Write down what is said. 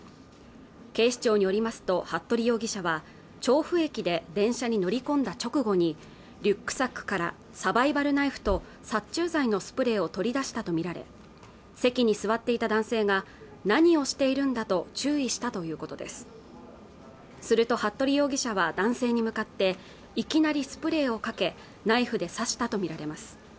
警視庁によりますと服部容疑者は調布駅で電車に乗り込んだ直後にリュックサックからサバイバルナイフと殺虫剤のスプレーを取り出したと見られ席に座っていた男性が何をしているんだと注意したということですすると服部容疑者は男性に向かっていきなりスプレーをかけナイフで刺したと見られます